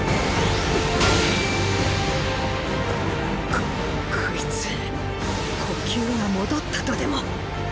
こっこいつ呼吸が戻ったとでも！